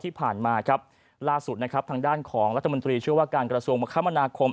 ที่ผ่านมาครับล่าสุดนะครับทางด้านของรัฐมนตรีช่วยว่าการกระทรวงคมนาคม